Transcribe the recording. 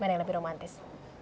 mana yang lebih romantis